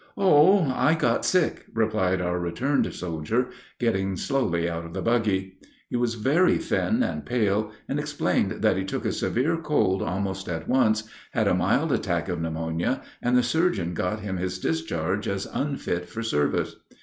"Oh, I got sick!" replied our returned soldier, getting slowly out of the buggy. He was very thin and pale, and explained that he took a severe cold almost at once, had a mild attack of pneumonia, and the surgeon got him his discharge as unfit for service.